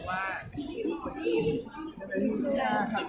เวลาแรกพี่เห็นแวว